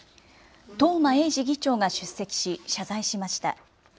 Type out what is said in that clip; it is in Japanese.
東間永次議長が出席し謝罪しました。